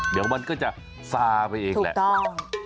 เดี๋ยวมันก็จะซาไปเองแหละถูกต้อง